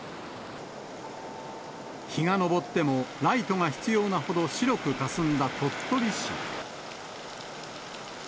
日が昇っても、ライトが必要なほど白くかすんだ鳥取市。